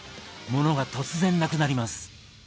モノが突然なくなります。